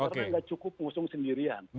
karena tidak cukup ngusung sendirian